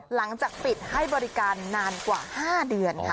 หลังจากปิดให้บริการนานกว่า๕เดือนค่ะ